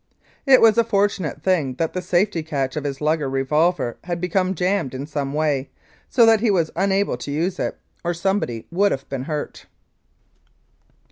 It was a fortunate thing that the safety catch of his Luger revolver had become jammed in some way, so that he was unable to use it, or somebody would have been hurt.